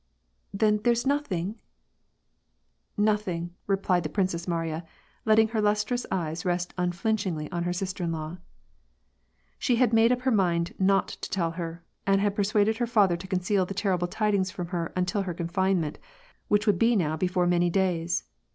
'* "Then there's nothing ?" "Nothing," replied the Princess Mariya, letting her lustrous ' eyes rest unflinchingly on her sister in law. ' She had made up her mind not to tell her, and had per : suaded her father to conceal the terrible tidings from her un ^ til her confinement, which would be now before many days.